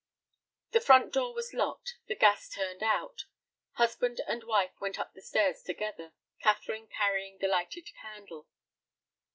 The front door was locked, the gas turned out. Husband and wife went up the stairs together, Catherine carrying the lighted candle.